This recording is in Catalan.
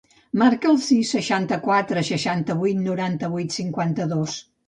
Marca el sis, seixanta-quatre, seixanta-vuit, noranta-vuit, cinquanta-dos.